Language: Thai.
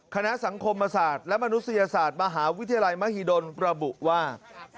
คณะสังคมศาสตร์และมนุษยศาสตร์มหาวิทยาลัยมหิดลประบุว่า